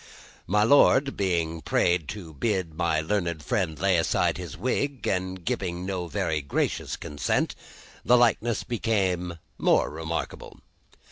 My Lord being prayed to bid my learned friend lay aside his wig, and giving no very gracious consent, the likeness became much more remarkable.